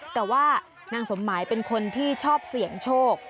แต่ว่านางสมหมายเป็นคนที่ชอบเสี่ยงโชค